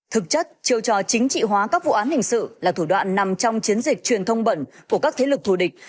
thực chất chiêu trò chính trị hóa các vụ án hình sự là thủ đoạn nằm trong chiến dịch truyền thông bẩn của các thế lực thù địch